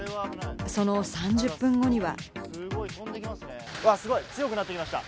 その３０分後には。